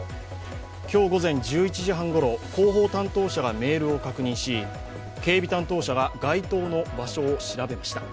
今日午前１１時半ごろ広報担当者がメールを確認し警備担当者が該当の場所を調べました。